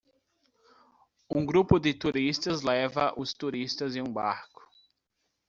Um grupo de turistas leva os turistas em um barco.